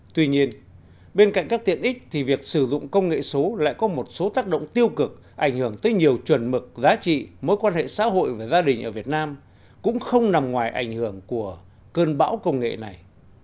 tuy nhiên bên cạnh các tiện ích thì việc sử dụng công nghệ số lại có một số tác động tiêu cực ảnh hưởng tới nhiều chuẩn mực giá trị mối quan hệ xã hội và gia đình ở việt nam cũng không nằm ngoài ảnh hưởng của cơn bão công nghệ này